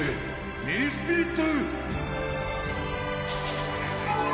ミニスピリットルー！